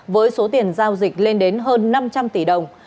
với số tiền giao dịch lên đến hơn năm trăm linh tỷ đồng